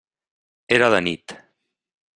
Era de nit.